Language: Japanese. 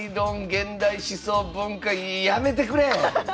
現代思想文化やめてくれ！